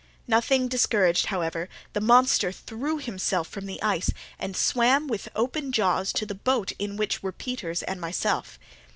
Nothing discouraged, however, the monster threw himself from the ice, and swam with open jaws, to the boat in which were Peters and myself.